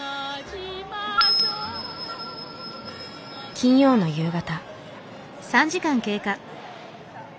金曜の夕方。